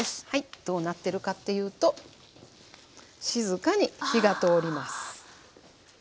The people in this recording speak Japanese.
はいどうなってるかっていうと静かに火が通ります。